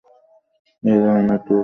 এই ধরনের ত্রুটি।